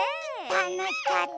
たのしかった。